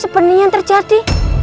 sepenuhnya yang terjadi